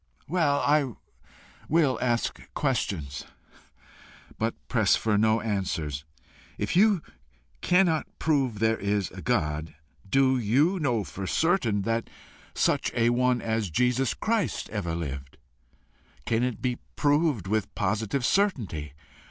"Well, I will ask questions, but press for no answers. If you cannot prove there is a God, do you know for certain that such a one as Jesus Christ ever lived? Can it be proved with positive certainty?